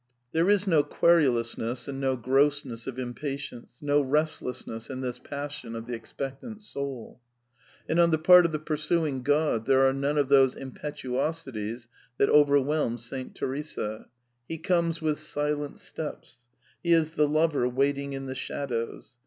^* There is no querulousness and no grossness of impa tience, no restlessness in this passion of the expectant soul. IAnd on the part of the pursuing God there are none of those impetuosities that overwhelmed Saint Teresa. He comes " with silent steps." He is the lover waiting in the shadows.